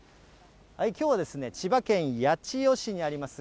きょうは千葉県八千代市にあります